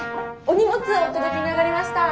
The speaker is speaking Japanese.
お荷物お届けに上がりました。